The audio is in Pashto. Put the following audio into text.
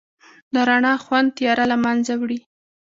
د رڼا خوند تیاره لمنځه وړي.